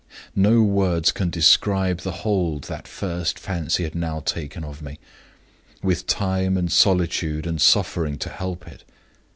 No words can describe the hold that first fancy had now taken of me with time and solitude and suffering to help it.